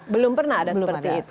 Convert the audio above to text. belum pernah ada seperti itu